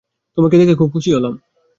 তোমাকে দেখে খুব খুশি হলাম।